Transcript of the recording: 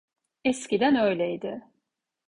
Eskiden öyleydi.